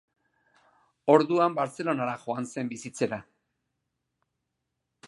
Orduan Bartzelonara joan zen bizitzera.